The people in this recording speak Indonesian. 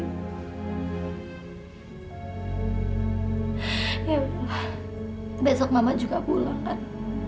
ya allah besok mama juga pulang kan